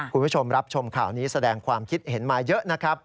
คุณผู้ชมรับชมข่าวนี้แสดงความคิดเห็นมาเยอะนะครับ